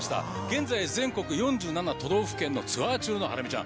現在全国４７都道府県のツアー中のハラミちゃん。